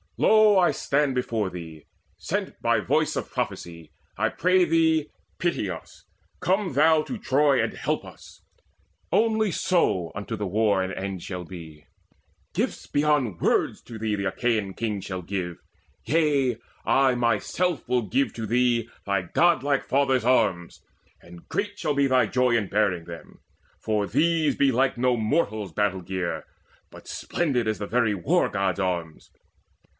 Lo, I stand Before thee, sent by voice of prophecy. I pray thee, pity us: come thou to Troy And help us. Only so unto the war An end shall be. Gifts beyond words to thee The Achaean kings shall give: yea, I myself Will give to thee thy godlike father's arms, And great shall be thy joy in bearing them; For these be like no mortal's battle gear, But splendid as the very War god's arms.